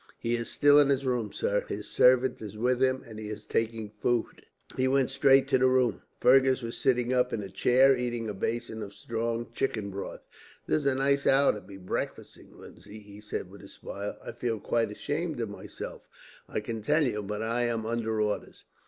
"He is still in his room, sir. His servant is with him, and he is taking food." He went straight to the room. Fergus was sitting up in a chair, eating a basin of strong chicken broth. "This is a nice hour to be breakfasting, Lindsay," he said with a smile. "I feel quite ashamed of myself, I can tell you; but I am under orders.